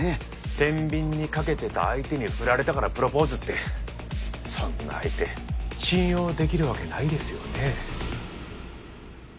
天秤に掛けてた相手にふられたからプロポーズってそんな相手信用できるわけないですよね？